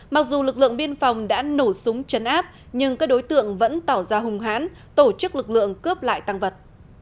mặc dù lực lượng biên phòng đã nổ súng chấn áp nhưng các đối tượng vẫn tỏ ra hùng hãn tổ chức lực lượng cướp lại tăng vật